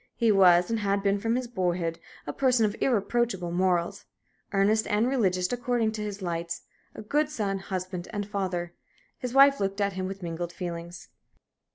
He was and had been from his boyhood a person of irreproachable morals earnest and religious according to his lights, a good son, husband, and father. His wife looked at him with mingled feelings.